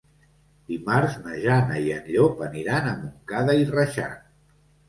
Dimarts na Jana i en Llop aniran a Montcada i Reixac.